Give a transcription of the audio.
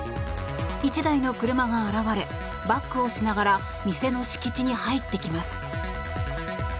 １台の車が現れバックをしながら店の敷地に入ってきます。